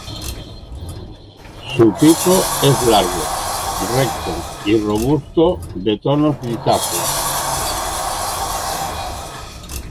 Su pico es largo, recto y robusto, de tonos grisáceos.